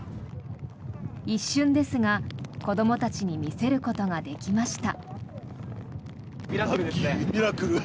一瞬ですが子どもたちに見せることができました。